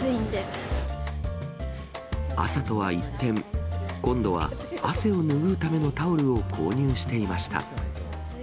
朝とは一転、今度は汗を拭うためのタオルを購入していました。